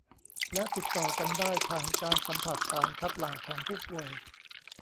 และติดต่อกันได้ผ่านการสัมผัสสารคัดหลั่งของผู้ป่วย